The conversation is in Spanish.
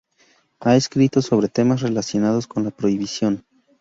Ha escrito sobre temas relacionados con la prohibición.